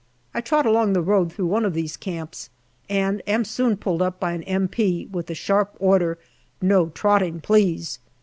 I trot along the road through one of these camps, and am soon pulled up by an M.P. with the sharp order, " No trotting, please."